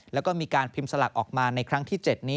แล้วก็มีการพิมพ์สลากออกมาในครั้งที่๗นี้